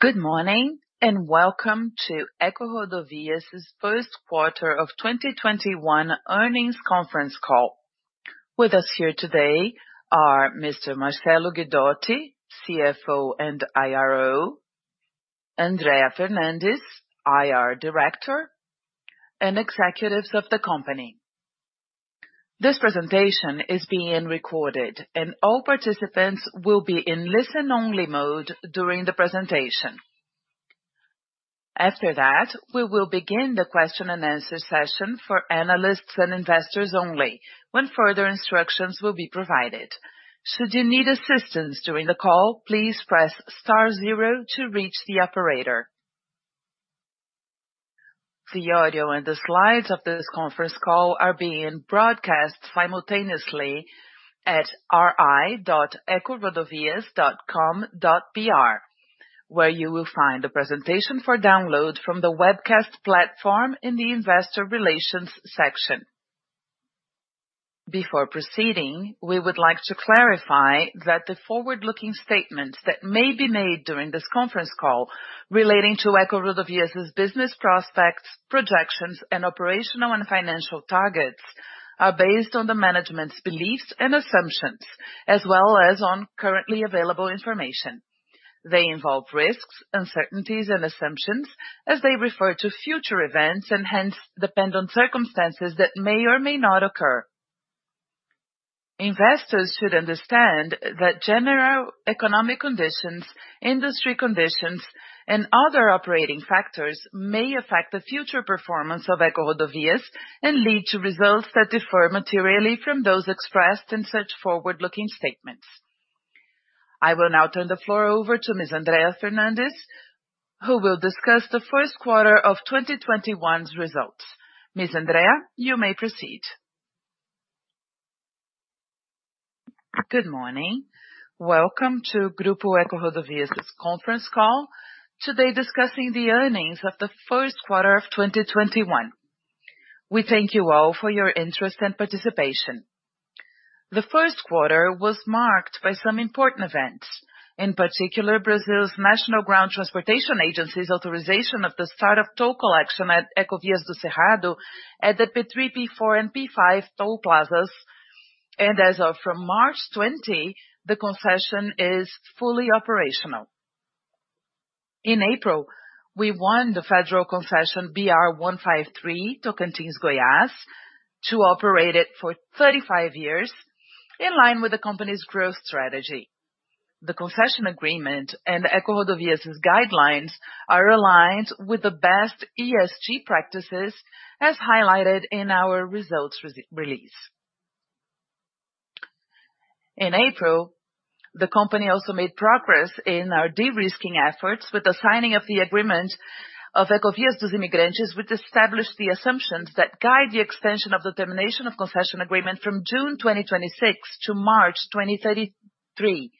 Good morning, and welcome to EcoRodovias' first quarter of 2021 earnings conference call. With us here today are Mr. Marcello Guidotti, CFO and IRO, Andrea Fernandes, IR Director, and executives of the company. This presentation is being recorded, and all participants will be in listen-only mode during the presentation. After that, we will begin the question-and-answer session for analysts and investors only, when further instructions will be provided. Should you need assistance during the call, please press star zero to reach the operator. The audio and the slides of this conference call are being broadcast simultaneously at ri.ecorodovias.com.br, where you will find the presentation for download from the webcast platform in the investor relations section. Before proceeding, we would like to clarify that the forward-looking statements that may be made during this conference call relating to EcoRodovias' business prospects, projections, and operational and financial targets are based on the management's beliefs and assumptions, as well as on currently available information. They involve risks, uncertainties, and assumptions as they refer to future events and hence depend on circumstances that may or may not occur. Investors should understand that general economic conditions, industry conditions, and other operating factors may affect the future performance of EcoRodovias and lead to results that differ materially from those expressed in such forward-looking statements. I will now turn the floor over to Ms. Andrea Fernandes, who will discuss the first quarter of 2021's results. Ms. Andrea, you may proceed. Good morning. Welcome to Grupo EcoRodovias' conference call, today discussing the earnings of the first quarter of 2021. We thank you all for your interest and participation. The first quarter was marked by some important events, in particular Brazil's National Ground Transportation Agency's authorization of the start of toll collection at Ecovias do Cerrado at the P3, P4, and P5 toll plazas, and as of March 20, the concession is fully operational. In April, we won the federal concession BR-153 Tocantins-Goiás to operate it for 35 years, in line with the company's growth strategy. The concession agreement and EcoRodovias' guidelines are aligned with the best ESG practices, as highlighted in our results release. In April, the company also made progress in our de-risking efforts with the signing of the agreement of Ecovias dos Imigrantes, which established the assumptions that guide the extension of the termination of concession agreement from June 2026 to March 2033,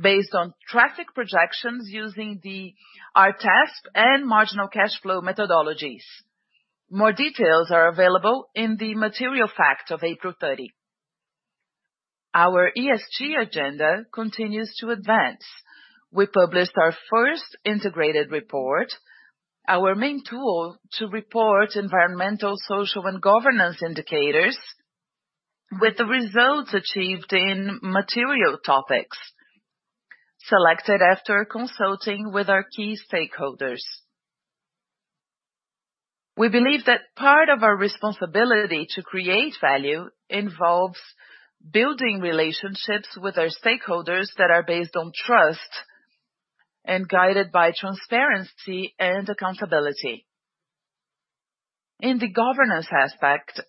based on traffic projections using the ARTESP and marginal cash flow methodologies. More details are available in the material facts of April 30. Our ESG agenda continues to advance. We published our first integrated report, our main tool to report environmental, social, and governance indicators with the results achieved in material topics selected after consulting with our key stakeholders. We believe that part of our responsibility to create value involves building relationships with our stakeholders that are based on trust and guided by transparency and accountability. In the governance aspect,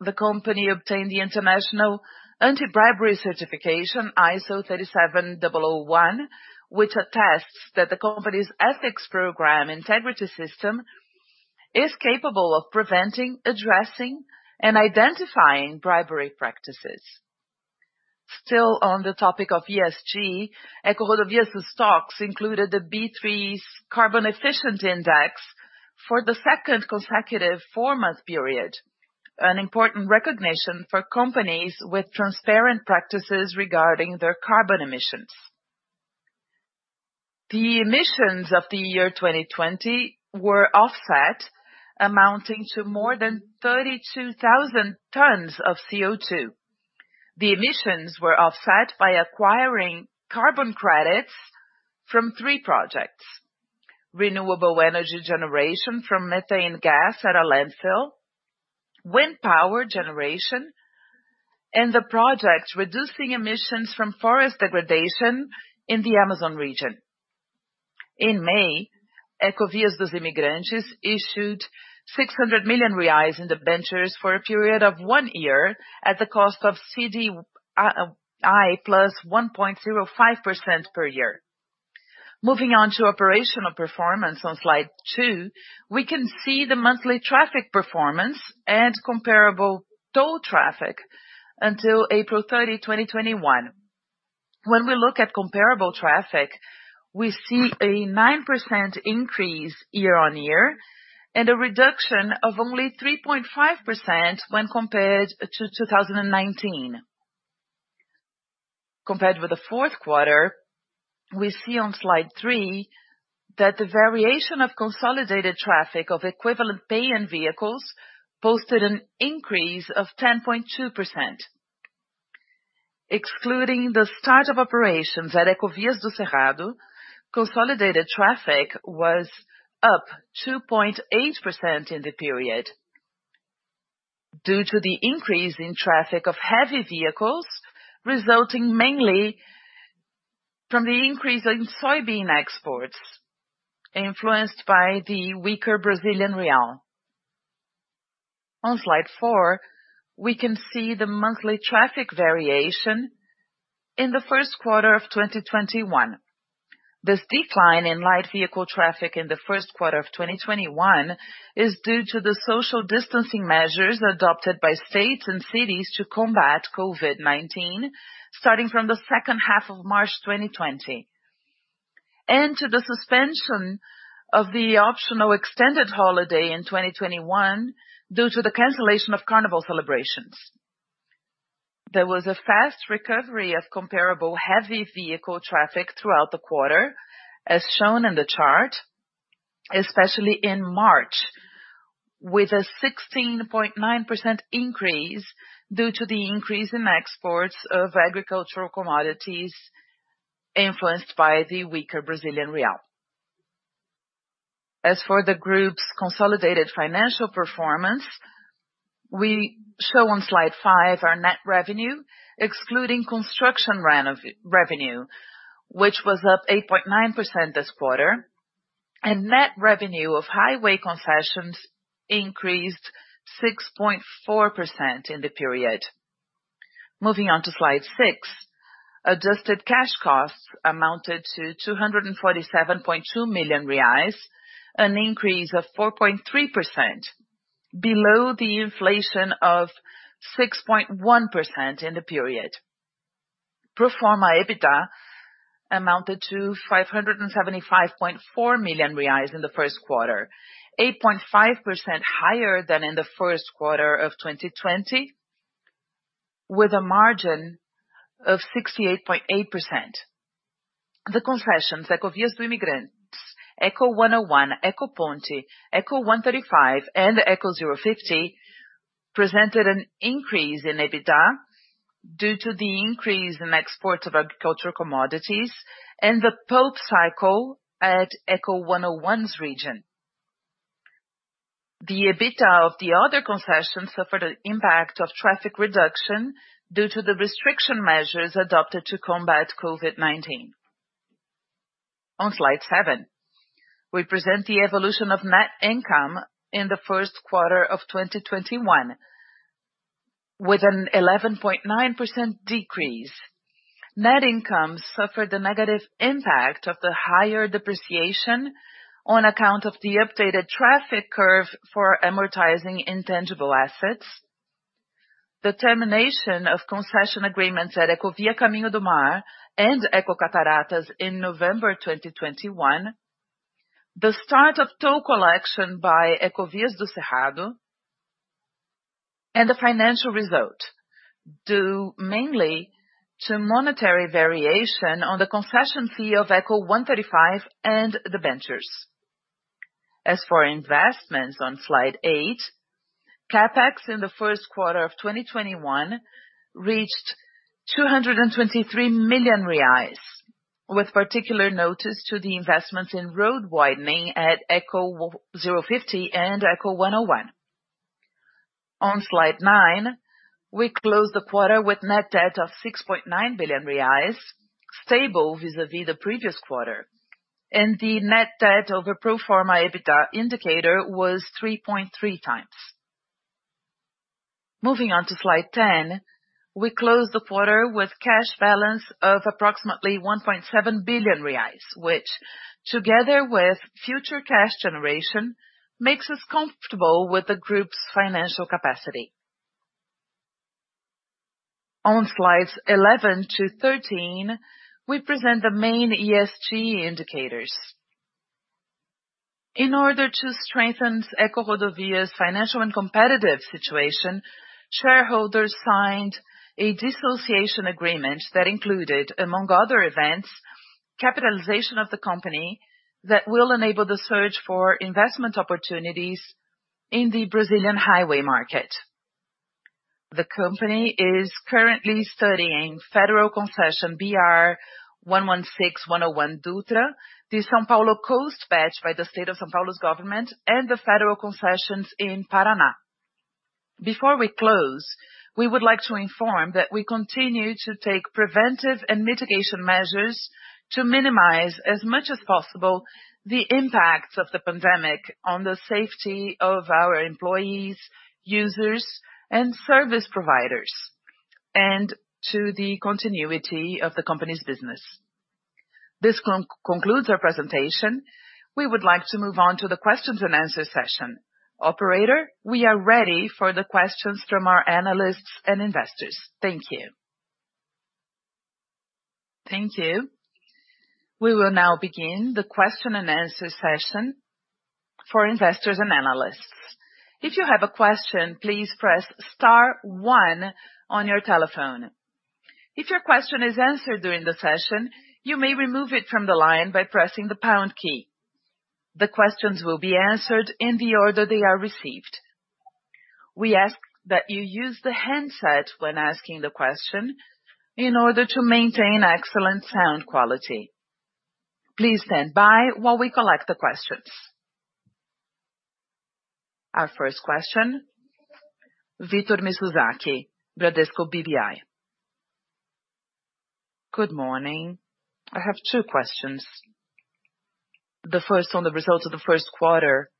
the company obtained the international anti-bribery certification, ISO 37001, which attests that the company's ethics program integrity system is capable of preventing, addressing, and identifying bribery practices. Still on the topic of ESG, EcoRodovias' stocks included the B3's Carbon Efficient Index for the second consecutive four-month period, an important recognition for companies with transparent practices regarding their carbon emissions. The emissions of the year 2020 were offset, amounting to more than 32,000 tons of CO2. The emissions were offset by acquiring carbon credits from three projects. Renewable energy generation from methane gas at a landfill, wind power generation, and the project reducing emissions from forest degradation in the Amazon region. In May, Ecovias dos Imigrantes issued 600 million reais in debentures for a period of one year at the cost of CDI plus 1.05% per year. Moving on to operational performance on slide two, we can see the monthly traffic performance and comparable toll traffic until April 30, 2021. When we look at comparable traffic, we see a 9% increase year-on-year and a reduction of only 3.5% when compared to 2019. Compared with the fourth quarter, we see on slide three that the variation of consolidated traffic of equivalent paying vehicles posted an increase of 10.2%. Excluding the start of operations at Ecovias do Cerrado, consolidated traffic was up 2.8% in the period due to the increase in traffic of heavy vehicles, resulting mainly from the increase in soybean exports influenced by the weaker Brazilian real. On slide four, we can see the monthly traffic variation in the first quarter of 2021. This decline in light vehicle traffic in the first quarter of 2021 is due to the social distancing measures adopted by states and cities to combat COVID-19, starting from the second half of March 2020, and to the suspension of the optional extended holiday in 2021 due to the cancellation of carnival celebrations. There was a fast recovery of comparable heavy vehicle traffic throughout the quarter, as shown in the chart, especially in March, with a 16.9% increase due to the increase in exports of agricultural commodities influenced by the weaker Brazilian real. As for the group's consolidated financial performance, we show on slide five our net revenue, excluding construction revenue, which was up 8.9% this quarter, and net revenue of highway concessions increased 6.4% in the period. Moving on to slide six, adjusted cash costs amounted to 247.2 million reais, an increase of 4.3% below the inflation of 6.1% in the period. Pro forma EBITDA amounted to 575.4 million reais in the first quarter, 8.5% higher than in the first quarter of 2020, with a margin of 68.8%. The concessions, Ecovias do Rio de Janeiro, Eco101, EcoPonte, Eco135, and Eco050, presented an increase in EBITDA due to the increase in export of agricultural commodities and the pulp cycle at Eco101's region. The EBITDA of the other concessions suffered an impact of traffic reduction due to the restriction measures adopted to combat COVID-19. On slide seven, we present the evolution of net income in the first quarter of 2021 with an 11.9% decrease. Net income suffered the negative impact of the higher depreciation on account of the updated traffic curve for amortizing intangible assets, the termination of concession agreements at Ecovia Caminho do Mar and Ecocataratas in November 2021, the start of toll collection by Ecovias do Cerrado, and the financial result, due mainly to monetary variation on the concession fee of Eco135 and the ventures. On slide eight, CapEx in the first quarter of 2021 reached 223 million reais, with particular notice to the investment in road widening at Eco050 and Eco101. On slide nine, we closed the quarter with net debt of 6.9 billion reais, stable vis-a-vis the previous quarter, and the net debt of the pro forma EBITDA indicator was 3.3x. Moving on to slide 10, we closed the quarter with cash balance of approximately 1.7 billion reais, which together with future cash generation, makes us comfortable with the group's financial capacity. On slides 11-13, we present the main ESG indicators. In order to strengthen EcoRodovias' financial and competitive situation, shareholders signed a dissociation agreement that included, among other events, capitalization of the company that will enable the search for investment opportunities in the Brazilian highway market. The company is currently studying federal concession BR-116/101 Dutra, the São Paulo Coast patch by the State of São Paulo's government, and the federal concessions in Paraná. Before we close, we would like to inform that we continue to take preventive and mitigation measures to minimize as much as possible the impacts of the pandemic on the safety of our employees, users, and service providers, and to the continuity of the company's business. This concludes our presentation. We would like to move on to the questions and answers session. Operator, we are ready for the questions from our analysts and investors. Thank you. Thank you. We will now begin the question and answer session for investors and analysts. If you have a question, please press star one on your telephone. If your question is answered during the session, you may remove it from the line by pressing the pound key. The questions will be answered in the order they are received. We ask that you use the handset when asking the question in order to maintain excellent sound quality. Please stand by while we collect the questions. Our first question, Victor Mizusaki, Bradesco BBI. Good morning. I have two questions. The first on the results of the first quarter.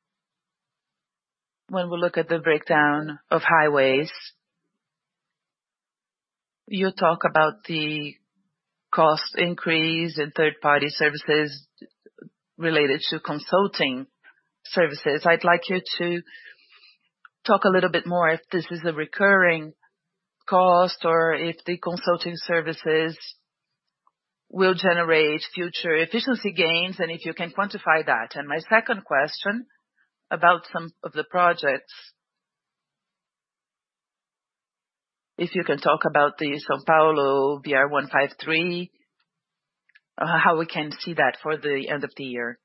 When we look at the breakdown of highways, you talk about the cost increase in third-party services related to consulting services. I'd like you to talk a little bit more if this is a recurring cost or if the consulting services will generate future efficiency gains, and if you can quantify that. My second question, about some of the projects. If you can talk about the São Paulo BR-153, how we can see that for the end of the year.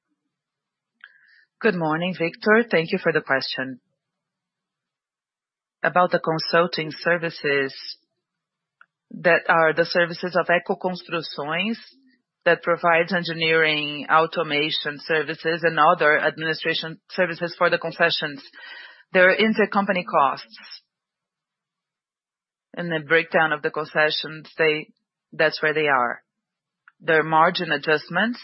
Good morning, Victor. Thank you for the question. About the consulting services that are the services of EcoConstruções that provides engineering, automation services, and other administration services for the concessions. They're intercompany costs. In the breakdown of the concessions, that's where they are. They're margin adjustments.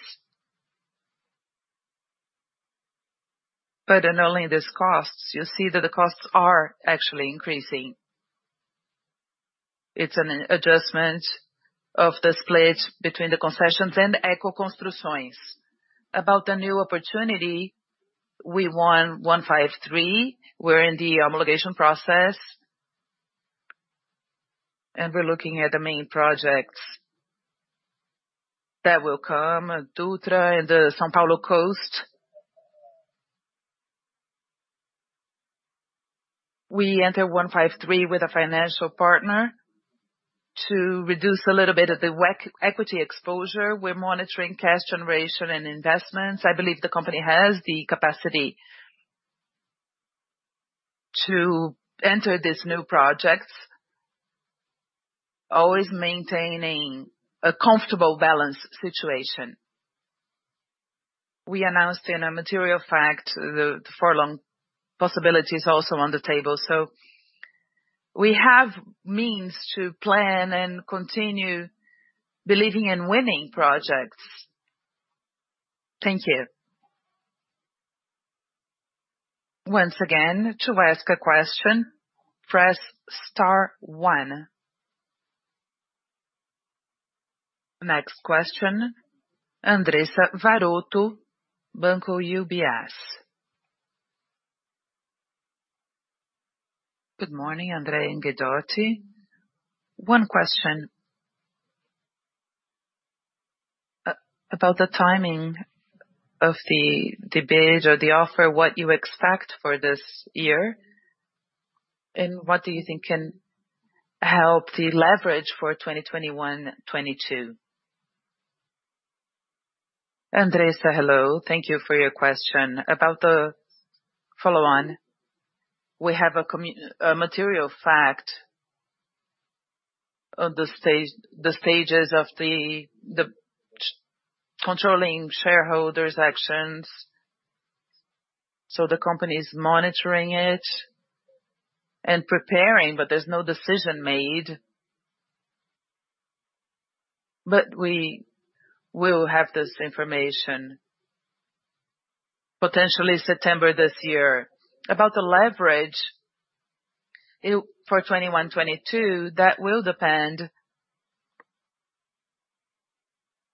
In all these costs, you see that the costs are actually increasing. It's an adjustment of the split between the concessions and EcoConstruções. About the new opportunity, we won 153. We're in the obligation process, and we're looking at the main projects that will come at Dutra and the São Paulo Coast. We enter 153 with a financial partner to reduce a little bit of the equity exposure. We're monitoring cash generation and investments. I believe the company has the capacity to enter these new projects, always maintaining a comfortable, balanced situation. We announced in a material fact the follow on possibility is also on the table. We have means to plan and continue believing in winning projects. Thank you. Once again, to ask a question, press star one. Next question, Andressa Varotto, UBS BB. Good morning, Andrea Fernandes and Marcello Guidotti. One question. About the timing of the debate or the offer, what you expect for this year, and what do you think can help the leverage for 2021, 2022? Andressa, hello. Thank you for your question. About the follow on, we have a material fact on the stages of the controlling shareholders' actions. The company is monitoring it and preparing, but there's no decision made. We will have this information, potentially September this year. About the leverage for 2021, 2022, that will depend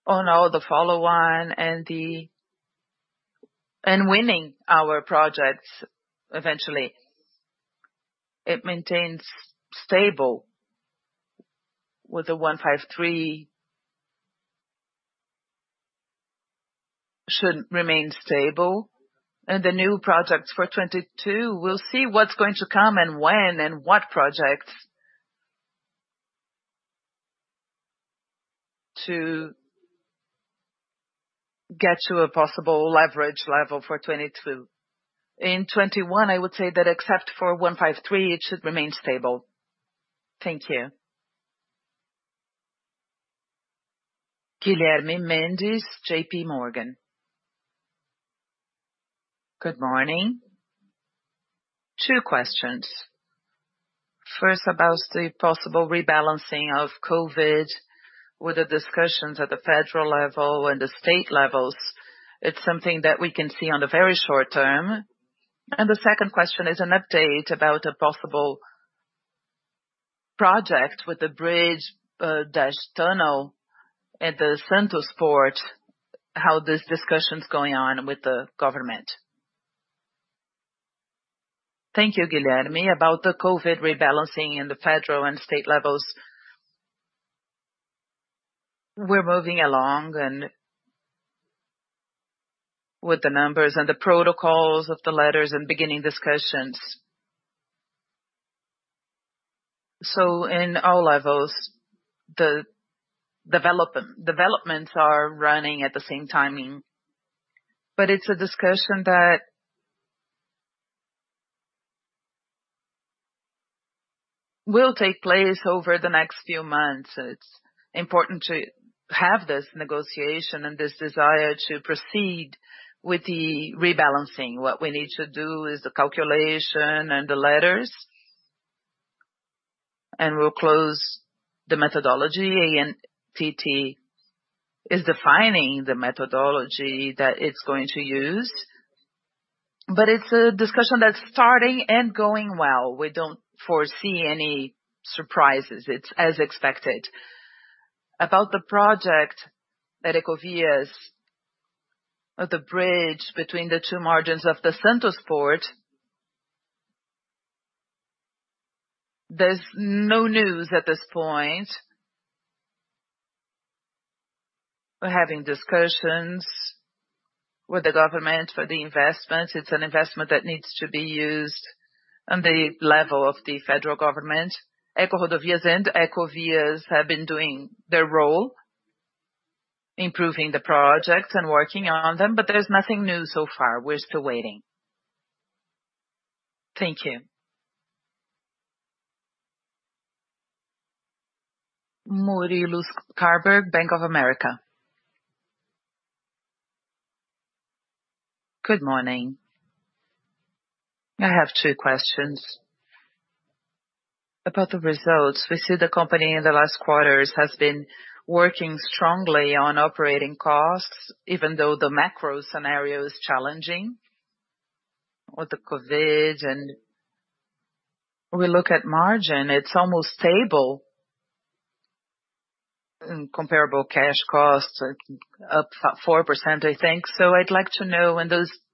on all the follow on and winning our projects eventually. It maintains stable. With the 153, should remain stable. The new projects for 2022, we'll see what's going to come and when and what projects to get to a possible leverage level for 2022. In 2021, I would say that except for 153, it should remain stable. Thank you. Guilherme Mendes, JPMorgan. Good morning. Two questions. First, about the possible rebalancing of COVID with the discussions at the federal level and the state levels. It's something that we can see on a very short term. The second question is an update about a possible project with a bridge/tunnel at the Centro Sport, how this discussion's going on with the government. Thank you, Guilherme. About the COVID rebalancing in the federal and state levels, we're moving along, and with the numbers and the protocols of the letters and beginning discussions. In all levels, the developments are running at the same timing. It's a discussion that will take place over the next few months. It's important to have this negotiation and this desire to proceed with the rebalancing. What we need to do is the calculation and the letters, and we'll close the methodology. ANTT is defining the methodology that it's going to use. It's a discussion that's starting and going well. We don't foresee any surprises. It's as expected. About the project at Ecovias, the bridge between the two margins of the Port of Santos, there's no news at this point. We're having discussions with the government for the investments. It's an investment that needs to be used on the level of the federal government. EcoRodovias and Ecovias have been doing their role, improving the projects and working on them, but there's nothing new so far. We're still waiting. Thank you. Murilo Freiberger, Bank of America. Good morning. I have two questions. About the results, we see the company in the last quarters has been working strongly on operating costs, even though the macro scenario is challenging with the COVID-19. We look at margin, it's almost stable and comparable cash costs are up 4%, I think. I'd like to know in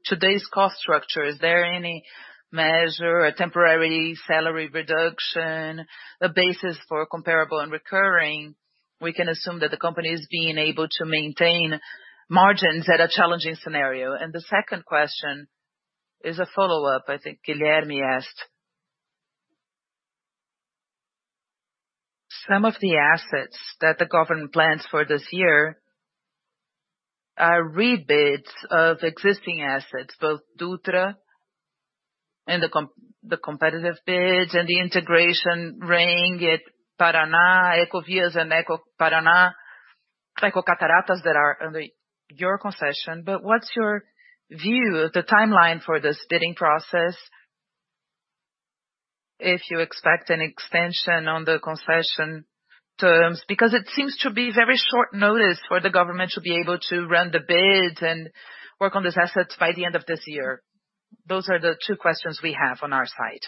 today's cost structure, is there any measure, a temporary salary reduction, a basis for comparable and recurring? We can assume that the company is being able to maintain margins at a challenging scenario. The second question is a follow-up, I think Guilherme asked. Some of the assets that the government plans for this year are rebids of existing assets, both Dutra and the competitive bids and the integration ring at Paraná, Ecovias and EcoParaná, Ecocataratas that are under your concession. What's your view of the timeline for this bidding process, if you expect an extension on the concession terms? It seems to be very short notice for the government to be able to run the bids and work on those assets by the end of this year. Those are the two questions we have on our side.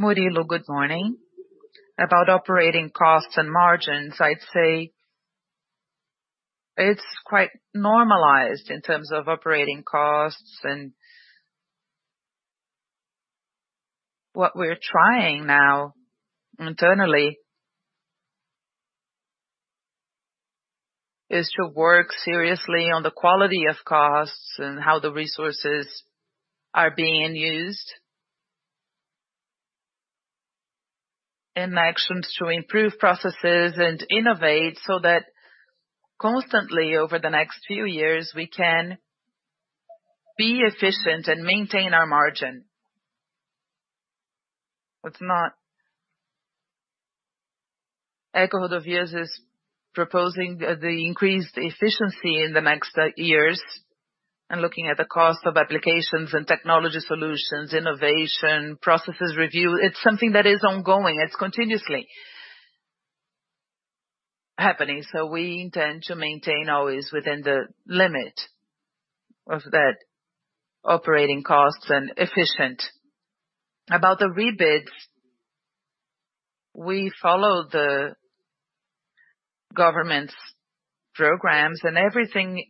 Murilo, good morning. About operating costs and margins, I'd say it's quite normalized in terms of operating costs. What we're trying now internally is to work seriously on the quality of costs and how the resources are being used, and actions to improve processes and innovate so that constantly over the next few years, we can be efficient and maintain our margin. EcoRodovias is proposing the increased efficiency in the next years and looking at the cost of applications and technology solutions, innovation, processes review. It's something that is ongoing. It's continuously happening. We intend to maintain always within the limit of that operating costs and efficient. About the rebid, we follow the government's programs, and everything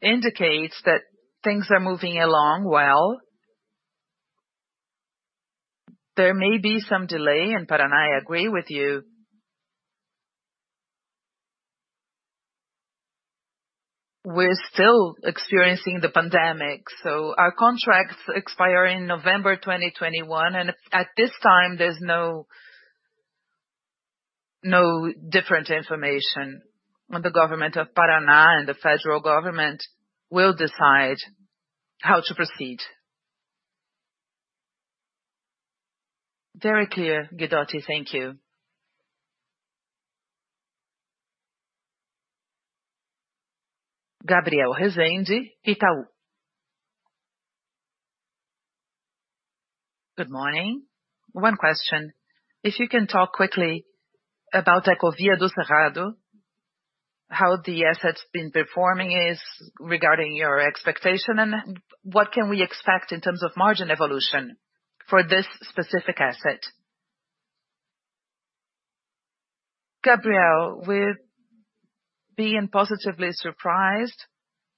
indicates that things are moving along well. There may be some delay in Paraná, I agree with you. We're still experiencing the pandemic. Our contracts expire in November 2021, and at this time, there's no different information when the government of Paraná and the federal government will decide how to proceed. Very clear, Guidotti. Thank you. Gabriel Rezende, Itaú BBA. Good morning. One question. If you can talk quickly about Ecovias do Cerrado, how the asset's been performing is regarding your expectation, and what can we expect in terms of margin evolution for this specific asset? Gabriel, we're being positively surprised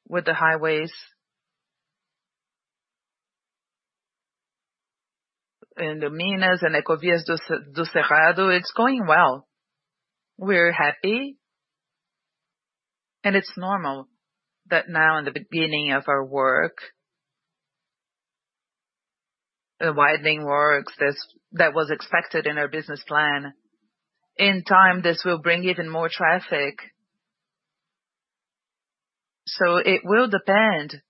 with the highways in Minas and Ecovias do Cerrado. It's going well. We're happy, it's normal that now in the beginning of our work, the widening works that was expected in our business plan. In time, this will bring even more traffic. It will depend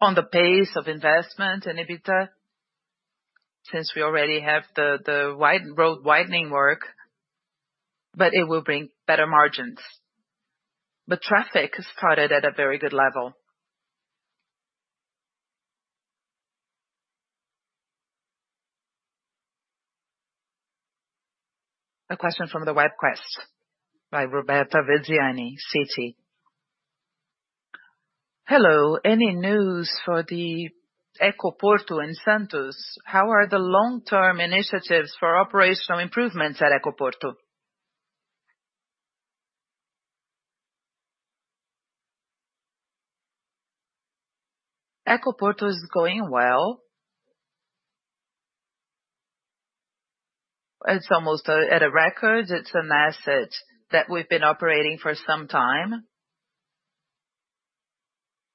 on the pace of investment in EBITDA, since we already have the road widening work, it will bring better margins. The traffic started at a very good level. A question from the webcast by Roberta Vigliani, Citi. Hello, any news for the Ecoporto in Santos? How are the long-term initiatives for operational improvements at Ecoporto? Ecoporto is going well. It's almost at a record. It's an asset that we've been operating for some time.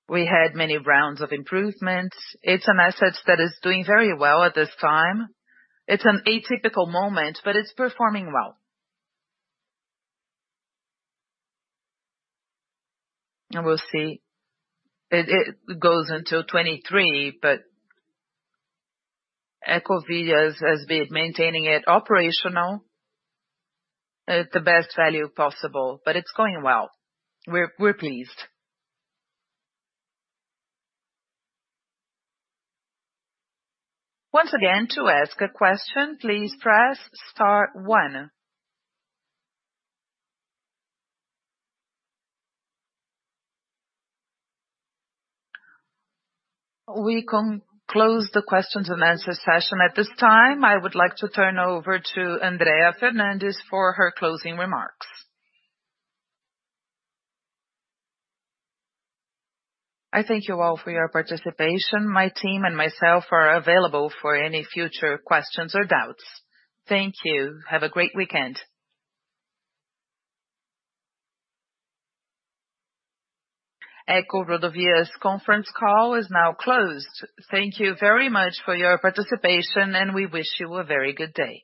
We had many rounds of improvements. It's an asset that is doing very well at this time. It's an atypical moment, it's performing well. We'll see. It goes until 2023. EcoRodovias has been maintaining it operational at the best value possible, but it's going well. We're pleased. Once again, to ask a question, please press star one. We can close the questions and answer session at this time. I would like to turn over to Andrea Fernandes for her closing remarks. I thank you all for your participation. My team and myself are available for any future questions or doubts. Thank you. Have a great weekend. EcoRodovias conference call is now closed. Thank you very much for your participation, and we wish you a very good day.